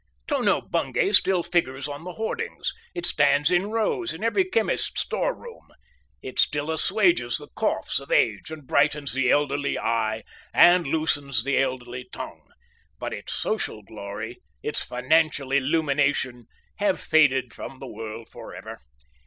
Tono Bungay still figures on the hoardings, it stands in rows in every chemist's storeroom, it still assuages the coughs of age and brightens the elderly eye and loosens the elderly tongue; but its social glory, its financial illumination, have faded from the world for ever.